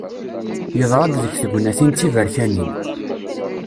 Yeḍra-d deg tegnatin d tiberkanin.